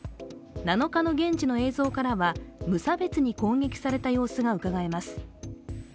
７日の現地の映像からは無差別に攻撃された様子がうかがえます。